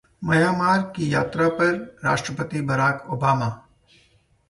Myanmar की यात्रा पर राष्ट्रपति बराक ओबामा